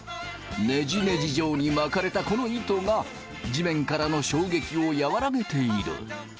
ネジネジ状に巻かれたこの糸が地面からの衝撃を和らげている。